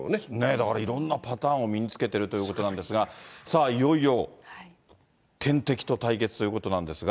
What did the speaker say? だからいろんなパターンを身に着けてるということなんですが、さあ、いよいよ天敵と対決ということなんですが。